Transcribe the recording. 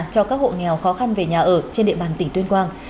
cho các hộ nghèo khó khăn về nhà ở trên địa bàn tỉnh tuyên quang